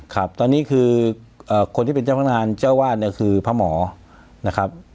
ครับตอนนี้คือคนที่เป็นเจ้าพนักงานเจ้าวาดเนี่ยคือพระหมอนะครับ